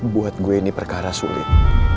buat gue ini perkara sulit